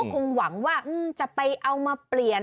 คงหวังว่าจะไปเอามาเปลี่ยน